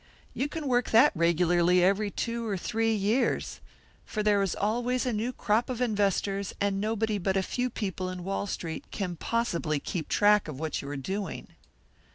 You can work that regularly every two or three years, for there is always a new crop of investors, and nobody but a few people in Wall Street can possibly keep track of what you are doing."